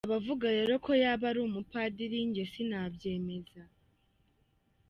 Abavuga rero ko yaba ari umupadiri njye sinabyemeza.